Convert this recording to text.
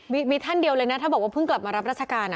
มีท่านเดียวเลยนะถ้าบอกว่าเพิ่งกลับมารับราชการ